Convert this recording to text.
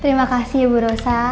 terima kasih bu rossa